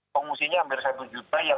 pengusianya hampir satu juta